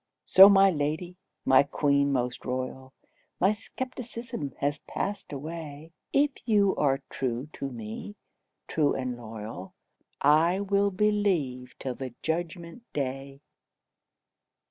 So my lady, my queen most royal, My skepticism has passed away; If you are true to me, true and loyal, I will believe till the Judgment day.